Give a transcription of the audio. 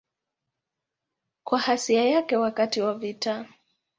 Kwa ghasia yake wakati wa vita.